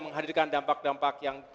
menghadirkan dampak dampak yang